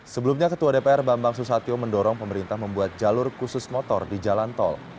sebelumnya ketua dpr bambang susatyo mendorong pemerintah membuat jalur khusus motor di jalan tol